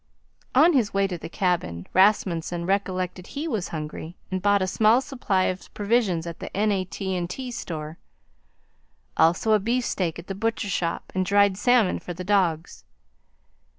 On his way to the cabin, Rasmunsen recollected he was hungry and bought a small supply of provisions at the N. A. T. & T. store also a beefsteak at the butcher shop and dried salmon for the dogs.